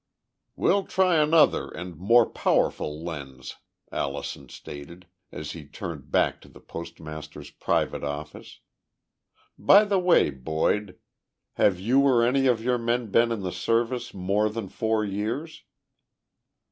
"We'll try another and more powerful lens," Allison stated, as he turned back to the postmaster's private office. "By the way, Boyd, have you or any of your men been in the Service more than four years?"